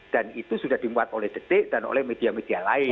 dan itu sudah dimuat oleh detik dan oleh media media lain